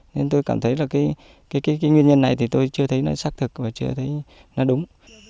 nên tôi cảm thấy là cái nguyên nhân này thì tôi chưa thấy nó xác thực và chưa thấy nó đúng